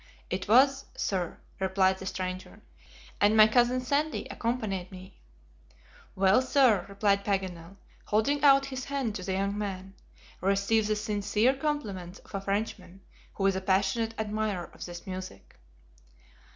"It was, sir," replied the stranger, "and my cousin Sandy accompanied me." "Well, sir," replied Paganel, holding out his hand to the young man, "receive the sincere compliments of a Frenchman, who is a passionate admirer of this music."